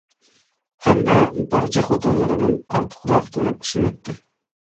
ھەمدە بارچە خوتۇنلىرىدىن ئارتۇقراق كۆرۈپ سۆيەتتى.